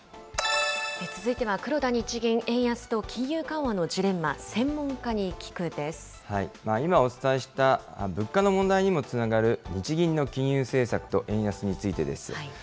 続いては黒田日銀、円安と金融緩和のジレンマ、今お伝えした物価の問題にもつながる、日銀の金融政策と円安についてです。